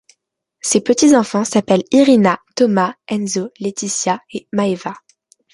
Ces petits enfants s'appellent Irina, Thomas, Enzo, Leticia et Maeva.